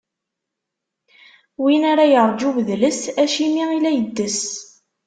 Win ara yeṛǧu udles, acimi i la yeddes?